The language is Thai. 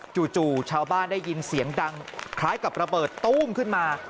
จู่ชาวบ้านได้ยินเสียงดังคล้ายกับระเบิดตู้มขึ้นมา